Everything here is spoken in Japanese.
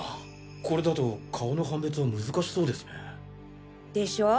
これだと顔の判別はむずかしそうですね。でしょ？